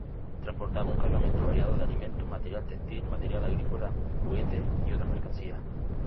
Transportaba un cargamento variado de alimentos, material textil, material agrícola, juguetes y otras mercancías.